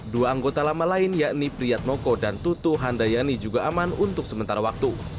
dua anggota lama lain yakni priyatnoko dan tutu handayani juga aman untuk sementara waktu